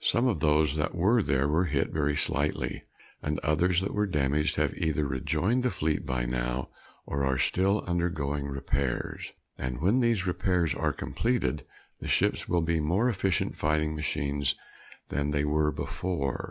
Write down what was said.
Some of those that were there were hit very slightly, and others that were damaged have either rejoined the fleet by now or are still undergoing repairs. And when those repairs are completed, the ships will be more efficient fighting machines than they were before.